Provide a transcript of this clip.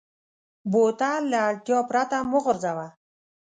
بوتل له اړتیا پرته مه غورځوه.